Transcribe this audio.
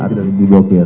tidak ada di blokir